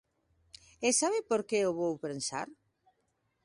¿E sabe por que o vou pensar?